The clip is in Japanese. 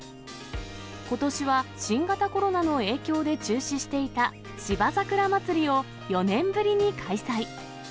ことしは新型コロナの影響で中止していた芝ざくらまつりを４年ぶりに開催。